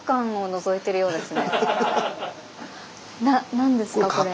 何ですかこれ。